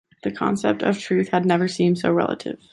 The concept of truth had never seemed so relative.